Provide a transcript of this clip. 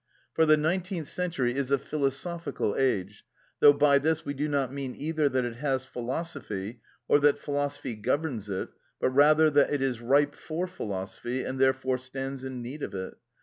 For the nineteenth century is a philosophical age, though by this we do not mean either that it has philosophy, or that philosophy governs it, but rather that it is ripe for philosophy, and, therefore, stands in need of it.